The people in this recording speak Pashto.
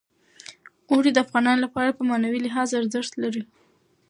اوړي د افغانانو لپاره په معنوي لحاظ ارزښت لري.